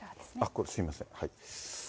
すみません。